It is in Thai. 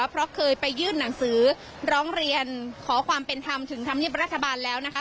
เพราะเคยไปยื่นหนังสือร้องเรียนขอความเป็นธรรมถึงธรรมเนียบรัฐบาลแล้วนะคะ